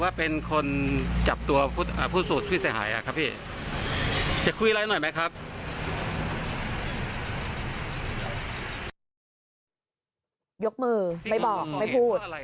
ไม่บอกไม่พูด